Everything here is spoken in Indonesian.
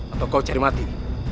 atau kau cari mati